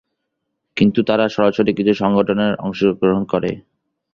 কিন্তু তারা সরাসরি কিছু সংগঠনে অংশগ্রহণ করে।